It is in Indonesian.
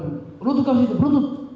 berutut kau sini berutut